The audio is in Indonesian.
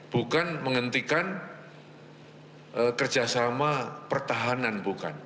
bukan menghentikan kerjasama pertahanan bukan